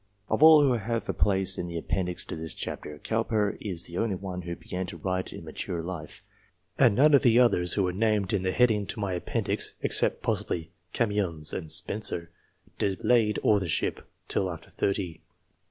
Of all who have a place in the appendix to this chapter, Cowper is the only one who began to write in mature life ; and none of the others who are named in the heading to my appendix, except possibly Camoens and Spenser, delayed authorship till after thirty.